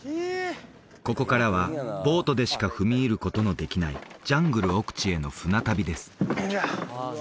ここからはボートでしか踏み入ることのできないジャングル奥地への船旅です